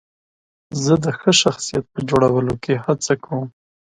زه د ښه شخصیت په جوړولو کې هڅه کوم.